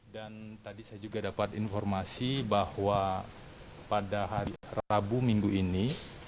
dan tadi saya juga dapat informasi bahwa pada rabu minggu ini